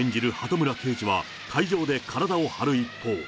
むら刑事は海上で体を張る一方。